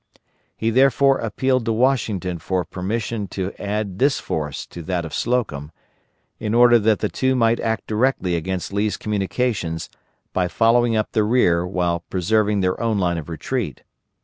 He therefore applied to Washington for permission to add this force to that of Slocum, in order that the two might act directly against Lee's communications by following up his rear while preserving their own line of retreat.